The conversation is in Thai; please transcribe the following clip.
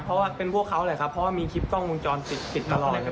เพราะว่าเป็นพวกเขาแหละครับเพราะว่ามีคลิปกล้องวงจรปิดติดตลอด